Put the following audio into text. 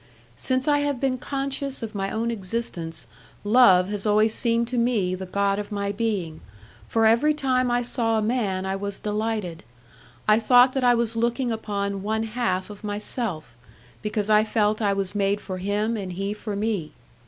Since I have been conscious of my own existence, Love has always seemed to me the god of my being, for every time I saw a man I was delighted; I thought that I was looking upon one half of myself, because I felt I was made for him and he for me.